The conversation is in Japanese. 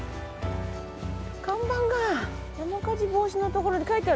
看板が山火事防止のところに書いてある。